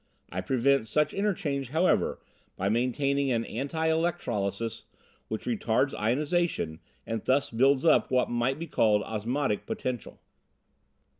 I prevent such interchange, however, by maintaining an anti electrolysis which retards ionization and thus builds up what might be called osmotic potential.